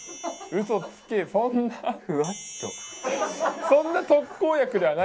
嘘つけ、そんな。